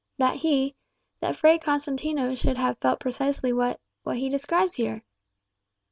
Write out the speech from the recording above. "That he that Fray Constantino should have felt precisely what what he describes here."